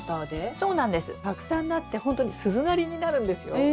たくさんなって本当に鈴なりになるんですよ。